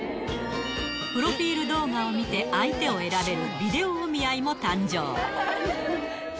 プロフィール動画を見て相手を選べるビデオお見合いも誕生。